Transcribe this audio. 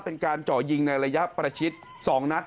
เป็นการเจาะยิงในระยะประชิด๒นัด